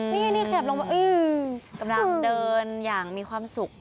นี่ขยับลงมาอื้อกำลังเดินอย่างมีความสุข